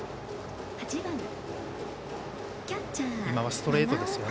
今はストレートですよね。